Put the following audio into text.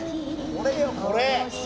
これよこれ！